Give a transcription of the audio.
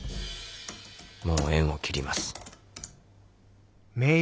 もう縁を切りますタケシ。